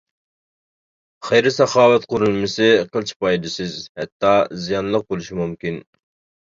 خەير-ساخاۋەت قۇرۇلمىسى قىلچە پايدىسىز، ھەتتا زىيانلىق بولۇشى مۇمكىن.